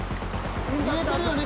見えてるよね